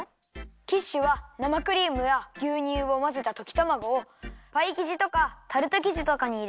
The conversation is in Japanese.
キッシュはなまクリームやぎゅうにゅうをまぜたときたまごをパイきじとかタルトきじとかにいれてやくりょうりだよ。